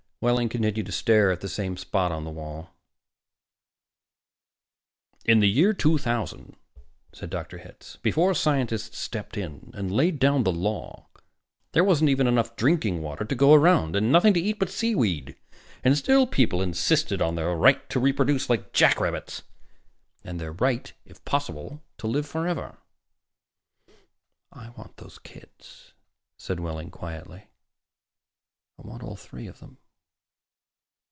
Wehling continued to stare at the same spot on the wall. "In the year 2000," said Dr. Hitz, "before scientists stepped in and laid down the law, there wasn't even enough drinking water to go around, and nothing to eat but sea weed and still people insisted on their right to reproduce like jackrabbits. And their right, if possible, to live forever." "I want those kids," said Wehling quietly. "I want all three of them."